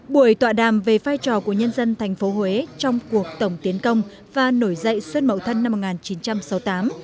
buổi tọa đàm về vai trò của nhân dân thành phố huế trong cuộc tổng tiến công và nổi dậy xuân mậu thân năm một nghìn chín trăm sáu mươi tám